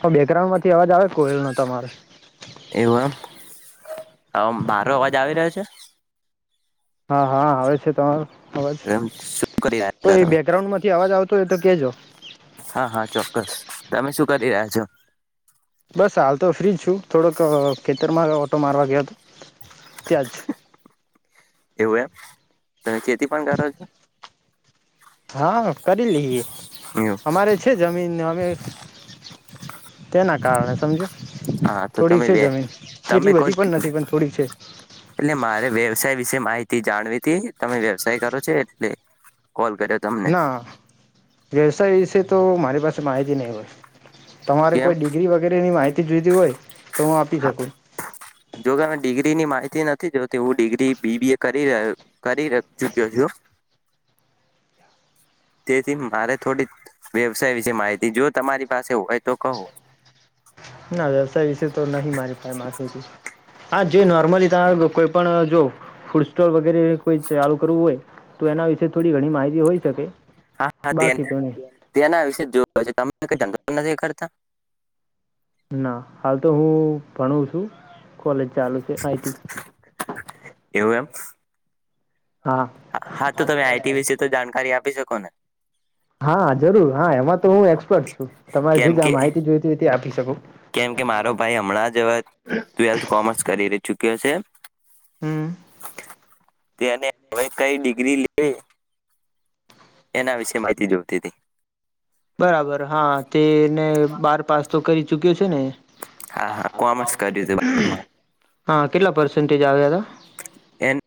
હ બેક્રાઉન્ડ માંથી અવાજ આવે કોયલ નો તમારે. એવું એમ હ મારો અવાજ આવી રહ્યો છે. હા હા આવે છે તમારું અવાજ એમ શું કરી રહ્યા હતા કોઈ તમે બેકગ્રાઉન્ડ માંથી અવાજ આવતો હોય તો કેજો હા હા ચોક્કસ તમે શું કરી રહ્યા છો. બસ હાલ તો ફ્રીજ છું થોડોક ખેતરમાં ઓટો મારવા ગયો હતો. તંજ એવું એમ તમે ખેતી પણ કરો છો. હા. કરી લઈએ એવું અમારે છે જમીન અમે તેના કારણે સમજો હા તો થોડીક તમે છે જમીન તમે એટલી બધી કોઈક પણ નથી પણ થોડીક છે એટલે મારે વ્યવસાય વિશે માહિતી જાણવી તમે વ્યવસાય કરો છો એટલે. કોલ કર્યો તમને. સય વિશેએે તો મારી પાસે માહિતી નહી હોય તમારે કેમ કોઈ ડિગ્રી વગેરે ની માહિતી ત જોઈતી હોય. તો હું આપી હા શકું જો કેમે ડિગ્રી ની માહિતી નથી જો હું ડિગ્રી બીબી એ કરી કરી ચુક્યો છું તેથી મારે થોડી વ્યવસાય વિશે માહિતી જો તમારી પાસે હોય તો કહો. ના વ્યવસાય વિશે તો નહી મારી પા મા હા જો નોર્મલી ત કોઈ પણ જો ફૂડ સલ વગરે કોઈ ચાલ કરવું હોય. તો એના વિશે થોડી ઘણી માહિતી હોય શકે. હા હા તે બાકી તો નહીં તેના વિશે જોવ તમે જંગ નથી કરતા ના હાલ તો હું ભણું છું. કોલેજ ચાલુ છે આઈટી એવું એમ હા હા તો તમે આઈટી વિશે તો જાણકારી આપી શકો. કોને હા જરૂર હા એમાં તો હું એક્સપર્ટ છું તમારે જે કેમ કે જં માહિતી જોયતી હોય તે આપીશ. સું. કેમ કે મારો ભાઈ હમણાં જવા ટ્વેલ્થ કોમર્સ કરી ર ચુક્યો છે. હમ. તેને હવે કઈ ડિગ્રી લેવી. એના વિશેે માહિતી જોતી હતી. બરાબર હા તેને બાર પાસ તો કરી ચુક્યો છે ને હા હા કોમર્સ કર્યું હતું બારમાં હા. કેટલા પર્સન્ટેજ આવ્યા હતા. એને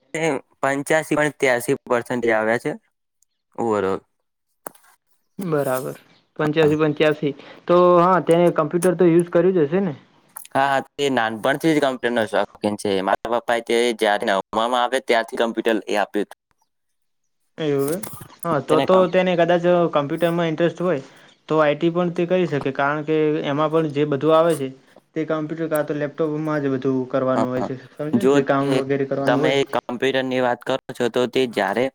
પંચ્યાસી પો ત્યાસી પસ આવ્યા છે ઓવરલ બરાબર પંચ્યાસી પંચ્યાસી તો હા તેને કમ્પ્યુટર તો યુઝ કર્યું જ હશે ને હા હા તે નાનપણથી કમ્પ્યુટર ન શોખ કે મારા પપ્પા એ જથીમાં આવે ત્યાારથી કમ્પ્યુટર એ આપ્યું હત એવું હા તો તો તેને કદાચ કમ્પ્યુટરમાં ઇન્ટરેસ્ટ હોય તો આઈટી પણ તે કરી શકે કારણ કે એમાં પણ જે બધું આવે છે તે કમ્પ્યુટર કા તો લેપટોપમાં જ બું હા હ જો તે વગેરે કરવાનું તમે હોય કમ્પ્યુટરની વાત કરો છો તો તે જારે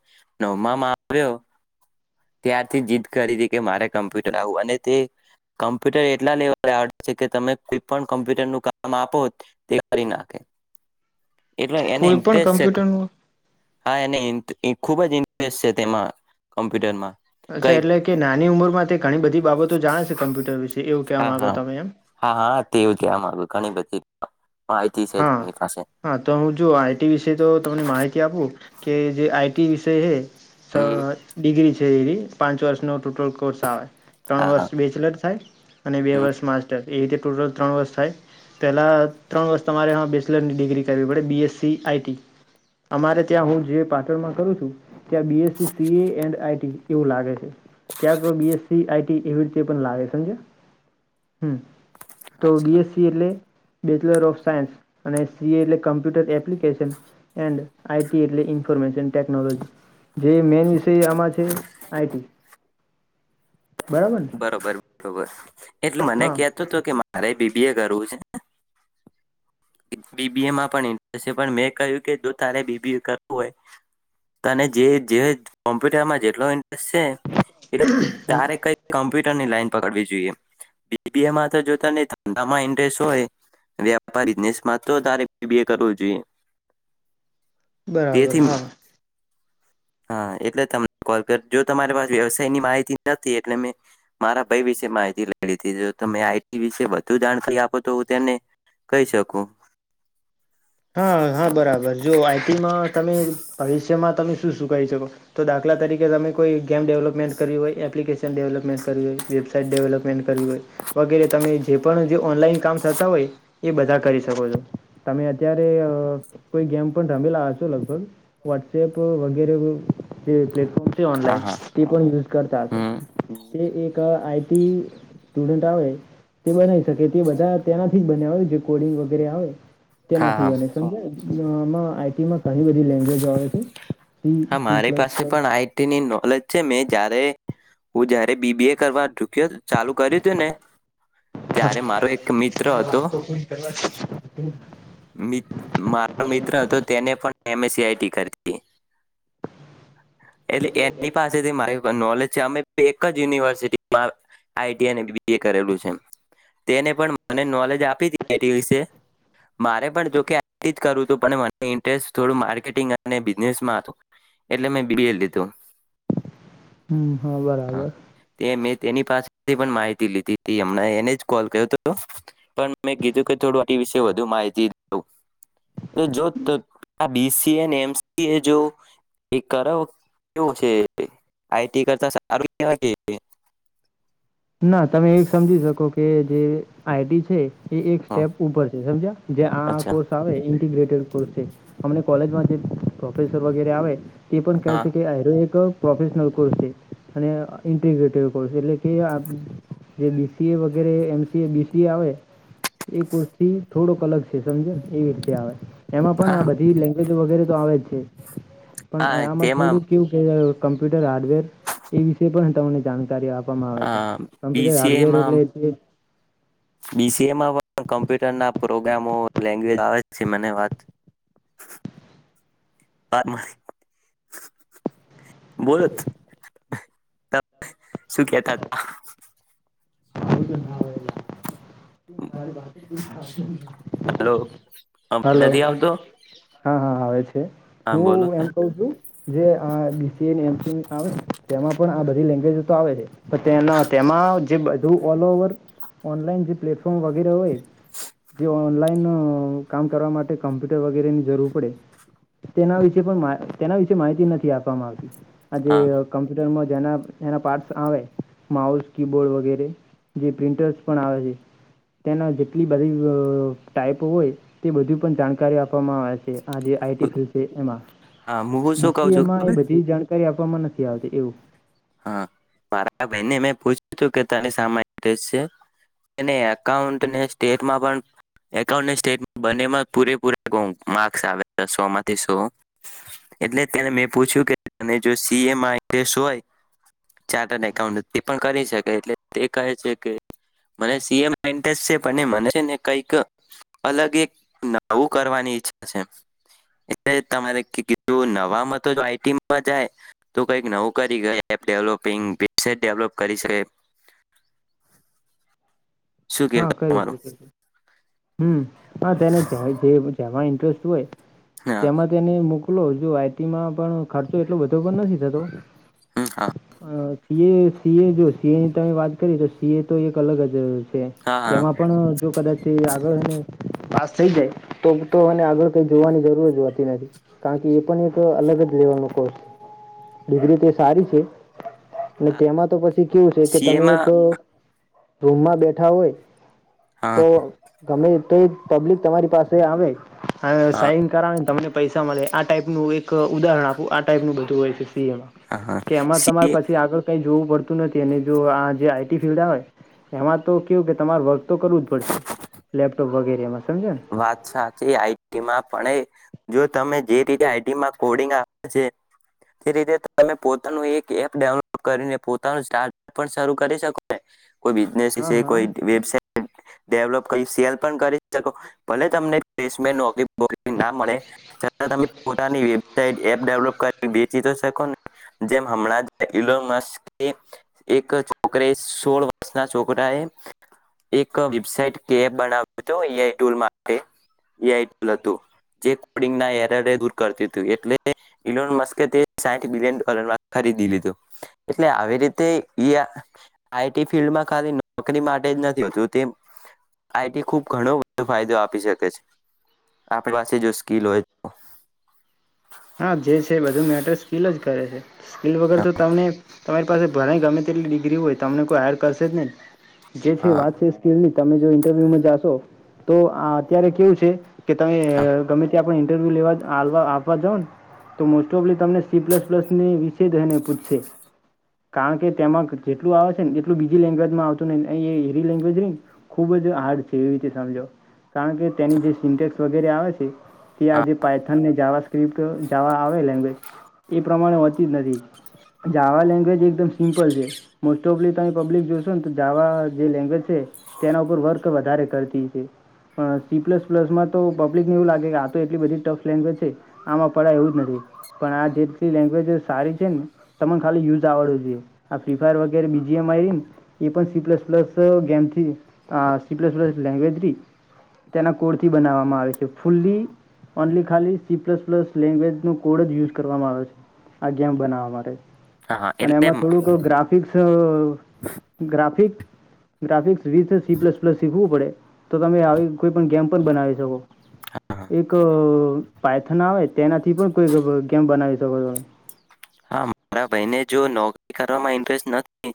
નવમામાં આવ્યો ત્યારથી જીદ કરી હતી કે મારે કોમ્પ્યુટર આવું અને તે કમ્પ્યુટર એટલા લેવા આવડ છે કે તમે કોઈ પણ કોમ્પ્યુટર ન કામ આપો તે કરી નાખે એટલે એને કોઈ પણ ઇન્ટરેસ્ટ છે કમ્પ્યુટરનું હા એને ખુબજ તે વિડનમાં અચ્છા એટલે કે નાની ઉંમરમાં તે ઘણી બધી બાબતો જાણે છે કમ્પ્યુટર વિશે એવું કહેવા હા મામાંગો હા તમે એમ હા હા તેવું કહેવા માંગુ ઘણી બધી માહિતી છે હા તેની પાસે હા તો હું જોુ આઈટી વિશે તો તમને માહિતી આપું કે જે આઈટીી વિષય છે તો હમ ડિગ્રી છે જેરી પાંચ વર્ષનો ટોટલ કોર્સ આવે ત્રણ હા હા વર્ષ બેચલર થાય અને બે હમ વર્ષ માસ્ટર એ રીતે ટોટલ ત્રણ વર્ષ થાય પહેલાં ત્રણ વર્ષ તમારે બેચલરની ડિગ્રી કરવી પડે બીએસસી આઈટી અમારે ત્યાં હું જે પાટણમાં કરું છું ત્યાં BSc C A and IT એવું લાગે છે ક્યાંક બીએસસી આઈટી એવી રીતે પણ લાગે સમજ હમ તો હા બી સર એસસીી એ લ બેચલર ઓફ સાયન્સ અને સીએ એટલે કમ્પ્યુટર એપ્લિકેશન એન્ડ આઈટી એટલે ઇન્ફોર્મેશન ટેકનોલોજી જે મેન વિષય આમાં છે આઈટી બરોબર બરોબર એટલે મને હા કેતો હતો કે તારે બીબી એ કરવું છે બીબીએમાં પણ ઇન્ટરેસ્ટ છે પણ મેં કહ્યું કે જો તારે બીબી એ કરવું હોય તને જે કોમ્પ્યુટરમાં જેટલો ઇન્ટરેસ્ટ છે એટ તારે કઈ્પ્યુટ જોઈંધ હોય બરાબર તેથી હા હા એટલે તમને કોલ કર જો તમારી પાસે વ્યવસાય ની માહિતી નથી એટલે મેં મારા ભાઈ વિશે માહિતી લઈ લીધી જો તમે આઈટી વિશે વધુ જાણકારી આપો તો હું તેને કહી શકું હા હા બરાબર જો આઈટીમાં તમે ભવિષ્યમાં તમે શું શું ક શકો તો દાખલા તરીકે તમે કોઈ ગેમ ડેવલપમેન્ટ કર હોય એપ્લિકેશન ડેલપમેન્ટ કરવી વેબસા સ ડેવલપમેન્ટ હોય વગેરે તમે જે પણ ઓનલાઈન કામ થતા હોય એ બધા કરી શકો છો તમે અત્યારે કોઈ ગેમ પણ રમેલા હસો લગભગ વોટ્સએપ વગેરે જે પ્લેટફોર્મ્ છે હા ઓનલાઈન હા તે પણ યુઝ કરતાો હમ તે એક આઈટી સ્ટુડન્ટ આવે તે બનાવી શકે તે બધા તેનાથી જ બને્યા હોય રેકોર્ડિંગ વગેરે આવે હા તેનાથી હા બને સમજાયને આઈટીમાં ઘણી બધી લેંગ્વેજો આવે છે સી હા સી મારી પ્લસ પાસે પ્લસ પણ આઈટીની નોલેજ છે મે જ્યારે હું જયારે બીબી એ કરવા છું ચાલુ કર્યું તું ને ત્યારે મારો એક મિત્ર હતો. [inaudible] મારો મિત્ર હતો તેને પણ એ સીઆઈટી કર એટલે એની પાસેથી મારી નોલેજ છે અમે એક જ યુનિવર્સિટીમાં આટી અને બી એ કરેલું છે તેને પણ મ નોલેજ આપી વિશે મારે પણ જોકે કરુંું મ ઇન્ટરેસ્ટ થોડું માર્કેટંગ અને બિઝનેસમાં હતું એટલે મે બ બી એ દી તોું હમ હા બરાબર મેં તેની પાસેથી પણ માહિતી લીધી હતી હમણાં એને જ કોલ કર્યો હતો પણ મેં કીધું કે થોડું એ વિશે વધુ માહિતી એ જોત ત આ બીસી એમસી એ જો એક કરો કેવો છે આઈટી કરતા આરોગ્ય ના તમે એ સમજી શકો કે જે આઈટી છે એ એક હ સ્ટેપ ઉપર છે સમજ્યા જે આ અચ્છા કોર્સ આવે ઇન્ટીગ્રેટ કોલેજમાં જે પ્રોફેસર વગેરે આવે તે પણ કહે હા છે કે આરો એક પ્રોફેશનલ કોર્સ છે અને ઇન્ટીગ્રેટેડ કોર્સ એટલે કે આ જે બીસીએ વગેરે એમસી એ બીસીએ આવે એ કોર્સ થી થોડોક અલગ છે સમજો એવી રીતે આવે એમાં પણ આ હા બધી લેંગ્વેજ વગેરે આવે છે પણ હા આમાં તેમાં થોડું કેવું કવા કમ્પ્યુટર હાર્ડવેર એ વિષશે પણ તમને જાણ છ કાર આપવામાં આવે છે કમપ્યુટર હડવેર એલ્ બીસીએમાં બીસીએમાં પણ કમ્પ્યુટરના પ્રોગ્રામો લેંગ્વેજ આવે છે મને વાત બોલો શું કેતા હતા [inaudible] હલો અવાજ હલો નથી આવતો હા હા હવે. હા બોલો હું એમ હા કવ છું જે આ બી સી એને [inaudible] આવે તેમાં પણ આ બધા એ લેંગ્વેજ તો આવે છે. તો તે તેમાં જે બધું ઓલ ઓવર ઓનલાઈન જે પ્લેટફોર્મ વગેરે હોય, જે ઓનલાઈન કામ કરવા માટે કમ્પ્યુટર વગેરેની જરૂર પડે. તેના વિશે પણ, તેના વિશે માહિતી નથી આપવામાં આવતી. આજે કમ્પ્યુટર મા જેના એના પાર્ટ્સ આવે, માઉસ, કીબોર્ડ વગેરે. જે પ્રિન્ટર્સ પણ આવે છે, તેના જેટલી બધી ટાઈપો હોય, તે બધી પણ જાણકારી આપવામાં આવે છે. આ જે આઈટી ફિલ્ડ છે, એમાં હા હું બી. શું કઉ સી. એ. છું માં એ ખબર બધી જાણ કરી આપવામાં નથી આવતી એવું હા, મારા બેને મે પૂછ્યું કે તને શામાં ઇન્ટરેસ્ટ છે? એને એકઉન્ટને સ્ટેટમાં પણ એકાઉન્ટને સ્ટેટ બને પૂરેપૂરા માકર્સ આવે સોમાંથી સો એટલે તેને મે પૂછ્યું કે જો સી એમાં ઈન્ટરેસ્ટ હોય ચાર્ટડ એકાઉન્ટન્ટ તે પણ કરી શકે. એટલે તે કહે છે કે, મને સી. એ. માં ઇન્ટસ્ટ છે, પણ મને છેને કંઈક અલગ, એક નવું કરવાની ઈચ્છા છે, એટલે તમારે કી કીધુનવા મા તો, આઈટીમાં જાય તો કંઈક નવું કરી ગયા. વેબ ડેવલોપિંગ વેબસાઈટ ડેવલોપ કરી છે. હા, કરી શકીશું. હમ, પણ તેને જે જેમાં ઇન્ટરેસ્ટ હોય. હા તેમાં તેની મુક લો, જો આઈટી માં પણ ખર્ચો એટલો બધો પણ નથી થતો. હમ હા સી. એ. સી. એ. જો સી એ ની તમે વાત કરી, તો સી. એ તો એક અલગ જ છે. હા તેમાં પણ જો કદાચ તે આગળ પાસ થઈ જાય, તો તો આગળ કંઈ જોવાની જરૂર જ હોતી નથી, કારણ કે એ પણ એક અલગ જ લેવલનો કોર્સ છે. ડિગ્રી તે સારી છે. હા તેમાં તો પછી, કેવું છે કે, તમે એક સીએમાં રૂમમાં બેઠા હોય [unintelligible] હા તો, ગમે તો પબ્લિક તમારી પાસે આવે હવે હા સાઈન કરાવ તમને પૈસા મળે આ ટાઈપનું એક ઉદાહરણ આપવું આ ટાઈપનું બધું હોય છે. હા હા કે એમાં સી તમારે પછી આગળ કઈ જોવું પડતું નથી અને જો આ જે આઈ ટી ફિલ્ડ આવે એમાં તો કેવુ કે તમાર વર્ક તો કરવું જ પડશે લેપટોપ વગેરેમાં વાત સાચી આઈટી માં પણ એ જો તમે જે રીતે આઈડીમાં કોડિંગ તે રીતે ત પોતાનું એક એપ ડઉનલોડ કરીને પોનું સાર્ટઅ શરૂ કરી શકો કોઈ બિઝનેસ હા હા કોઈ વેબસાઇટ ડેવલોપ કરી સેલ પણ કરી શકો ના મળે છતાં તમે પોતાની વબટેપ કરી વચી શકો જેમ હ એક છોક સોળ વર્ષ ના છોકરા એક વબટ કે બનાવ દ કરત એટલે સાિલન ખરીદી લીું એટલે આવી રીતે ફમાં ખાલી નોકરી માટે નથીતું ખુબણ ફાયદો આપ શકે છે આપણી પાસે જો સ્કીલ હોય તો હા જે છે બધું મેટર સ્કીલ જ કરે છે સ્કલ વગર તો તમને તમારી પાસે ભરાય ગમે તેટલી ડિગ્રી હોય તમને કોઈ હાયર કરશે જ નહી જે છે હા વાત છે સ્કીલ ની તમે જો ઇન્ટરવ્યુમાં જાશો તો અત્યારે કેવું છે કે તમે હા ગમે તે આપ લેવાવા આપવા જ જાાવ ને તો મોસ્ટ ઓફલી તમને સી પ્લસ પ્લસ વિશે જને પૂછશે કારણ કે તેમાં જેટલું આવે છે ને એટલું બીજી લેંગ્વેજમાં આવતું નહી હરી લેંગ્વેજ નહીને ખૂબ જ હાર્ડ છે એવી રીતે સમજો કારણ કે તેની જે સિન્ન્ટેક્સ વગેરે આવે છે ત્યા હા આજે પાયથન ને જાવા સ્ક્રિપ્ટ એ પ્રમાણે હોતી જ નથી જાવા લેંગ્વેજ એકદમ સિમ્પલ છે મોસ્ટ ઓફલી તમે પબ્લિક જોશોને તો જાવા જે લેંગ્વેજ છે તેના ઉપર વર્ક વધારે કરતી છે પણ સી પ્લસ પ્લસમાં તો પબ્લિકને એવું લાગે કે આ તો એટલી બધી ટફ લેંગ્વેજ છે આમાં પડાય એવું જ નથી પણ આ જેટલી લેંગ્વેજ સારી છે ને તને ખાલી યુઝ આવડવું જોઈએ આ ફ્રી ફાયર વગેરે બીજી એમ આવી ને એ પણ સી પ્લસ પ્લસ ગેમથી સી પ્લસ પ્લસ લેંગ્વેજની તેના કોડથી બનાવવામાં આવે છે ફુલ્લી ઓનલી ખાલી સી પ્લસ પ્લસ લેંગ્વેજનો કોડ જ યુઝ કરવામાં આવે છે આ ગેમ બનાવવા માટે હા અને એટલે એમાં થોડુંક graphics graphic graphics C plus plus શીખવું પડે તો તમે આવી કોઈ પણ ગેમ પણ બનાવી શકો એક પાયથના તેનાથી પણ કોઈ ગેમ બનાવી શકો છો હા મારા ભાઈને જો નો ઇન્ટરેસ્ટ નથી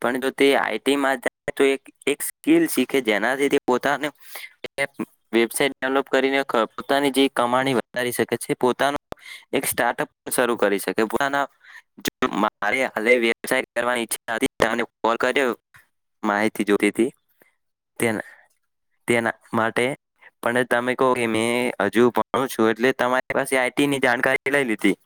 પણ જો તે આઈટીમાં તો સ્કીલીખે જેનાથી તે પો વેબટ ડેવલોપ કરીને પોતાની જે કમાણી વધારી શકે છે પોનું એક સ્ટાર્ટઅપ શરૂ કરીકે મારે વ્યાય કરવાની ઈચ્છ કોલ કર્યો માહિતી જોતી તેના માટે પણ તમે કહ કે હજુ ભણ છું એટલે તમારી પાસે આની જાણકારી લઈ લીધી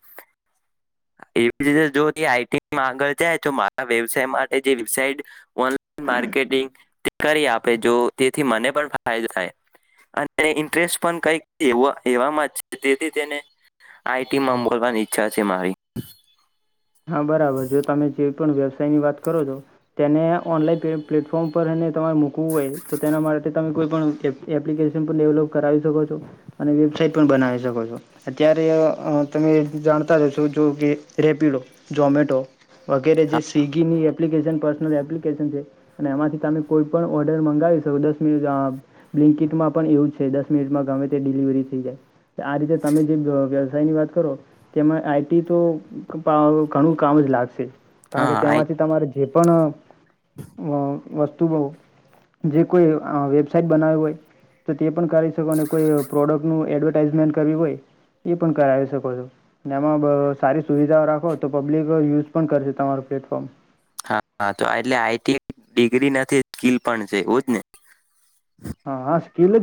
એવી રીતે જો આઈટીમાં આગળ જાય તો મારા વ્યવસાય માટે જે વઇટ ઓનલા માર્કેટિંગ તે કરી આપે જો તેથી મને પણ ફાયદો થાય અને ઇન્ટરેસ્ટ પણ કઈક એવામાં તેથી તેને આઈટીમાં મોલવાની ઈચ્છા છે મારી હ હા બરાબર જો તમે જે પણ વ્યવ ની વાત કરો છો તેને ઓનલાઈન પ્લેટફોર્મ પર તમારે મૂકવું હોય તો તેના માટે તમે કોઈ પણ એ એપ્લિકેશન પણ ડેવલોપ કરાવી શકો છો અને વેબસાાઈટ પણ બનાવી શકો છો અત્યારે તમે જાણતા જશો જો કે રેપિડો જોમેટો. વગેરે જે સ્વિગી ની એપ્લિકેશન પર્સનલ એપ્લિકેશન છે. અને એમાંથી તમે કોઈ પણણ ઓર્ડર મંગાવી શકો દસ મિનિટ બ્લન્કીિટમાં પણ એવું જ છે દસ મિનિટમાં ગમે તે ડિલિવરી થઈ જાય આ રીતે તમે જે વ્યવસાયની વાત કરો તેમાં આઈટી તો ઘણું કામ જ લાગશે. કારણ કે હા તેમાંથી તમારે જે પણ વસ્તુઓ જે કોઈ વેબસાઇટ બનાવીવી હોય તો તે પણ કરીે અને કોઈ પ્રોડક્ટનું એડવર્ટ ઝમેન્ટ કરવી હોય એ પણ કરાવી શકો છો એમાં સારી સુવિધાઓ રાખો તો પબ્લિક યુઝ પણ કરશે તમારું પ્લેટફોર્મ હાા તો એટલે આઈટી ડિગ્રી નથી સ્કીલ પણ છે એજ ને. હા હા સ્્ટલ જ.